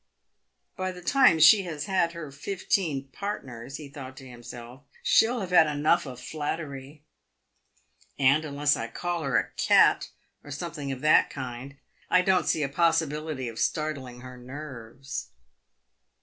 " By the time she has had her fifteen partners," he thought to himself, 264 PAVED WITH GOLD. " she'll have had enough of flattery, and unless I call her a cat, or something of that kind, I don't see a possibility of startling her nerves."